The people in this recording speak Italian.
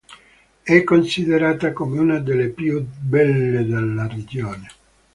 È considerata come una delle più belle della regione.